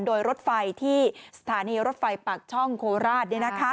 โดยรถไฟที่สถานีรถไฟปากช่องโคราช